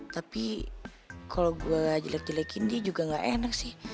tapi kalau gue jelek jelekin dia juga gak enak sih